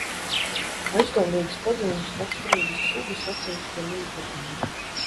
Aizdomīgas pazīmes raksturīgas sugas atsevišķiem īpatņiem.